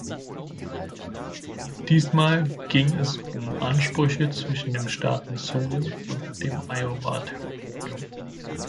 Diesmal ging es um Ansprüche zwischen dem Staat Missouri und dem Iowa-Territorium.